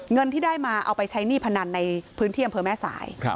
เงินที่ได้มาเอาไปใช้หนี้พนันในพื้นที่อำเภอแม่สาย